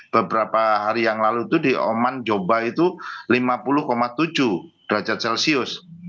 beberapa hari yang lalu itu di oman joba itu lima puluh tujuh derajat celcius